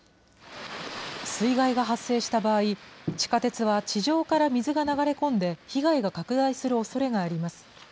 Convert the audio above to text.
水害が発生した場合、地下鉄は地上から水が流れ込んで被害が拡大するおそれがあります。